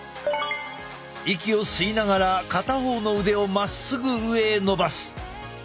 息を吸いながら片方の腕をまっすぐ上へ伸ばす。